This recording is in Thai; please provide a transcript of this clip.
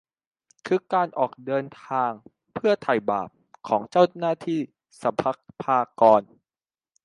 คือการออกเดินทางเพื่อไถ่บาปของเจ้าหน้าที่สรรพากร